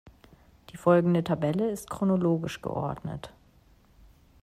Die folgende Tabelle ist chronologisch geordnet.